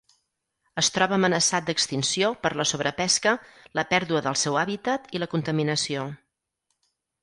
Es troba amenaçat d'extinció per la sobrepesca, la pèrdua del seu hàbitat i la contaminació.